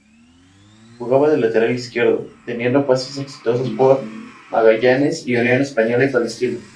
Jugaba de lateral izquierdo, teniendo pasos exitosos por Magallanes, Unión Española y Palestino.